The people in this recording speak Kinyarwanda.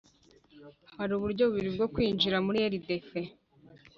Hari uburyo bubiri bwo kwinjira muri rdf